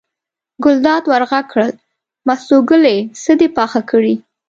ګلداد ور غږ کړل: مستو ګلې څه دې پاخه کړي.